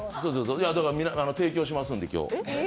提供しますんで、今日。